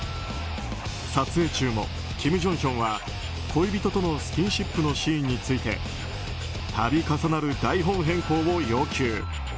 撮影中もキム・ジョンヒョンは恋人とのスキンシップのシーンについて度重なる台本変更を要求。